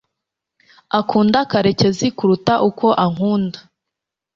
akunda karekezi kuruta uko ankunda